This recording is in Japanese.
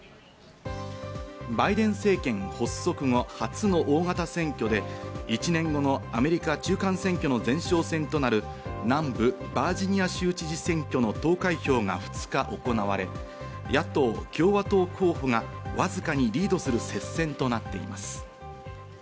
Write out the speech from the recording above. バイデン政権発足後、初の大型選挙で１年後のアメリカ中間選挙の前哨戦となる南部バージニア州知事選挙の投開票が２日行われ、野党・共和党候補がわずかにリードする接戦となっています。